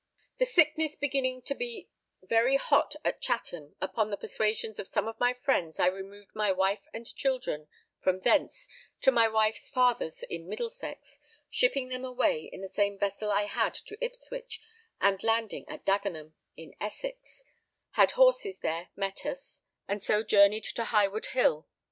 The sickness beginning to be very hot at Chatham, upon the persuasions of some of my friends I removed my wife and children from thence to my wife's father's in Middlesex, shipping them away in the same vessel I had to Ipswich, and landing at Dagenham in Essex, had horses there met us, and so journeyed to Highwood Hill.